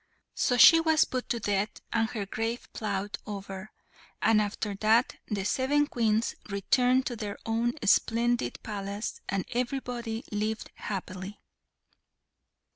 So she was put to death, and her grave ploughed over, and after that the seven Queens returned to their own splendid palace, and everybody lived happily.